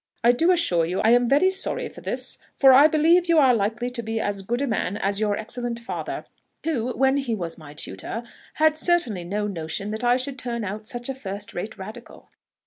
I do assure you I am very sorry for this, for I believe you are likely to be as good a man as your excellent father, who, when he was my tutor, had certainly no notion that I should turn out such a first rate Radical.